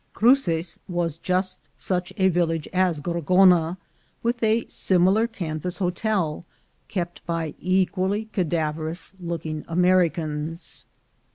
Cruces was just such a village as Gorgona, with a similar canvas hotel, kept by equally cadaverous looking Americans.